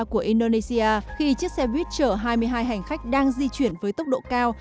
của indonesia khi chiếc xe buýt chở hai mươi hai hành khách đang di chuyển với tốc độ cao